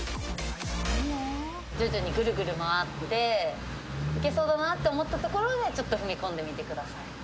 徐々にぐるぐる回って行けそうだなと思ったところで、ちょっと踏み込んでみてください。